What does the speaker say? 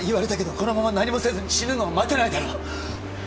このまま何もせずに死ぬのを待てないだろ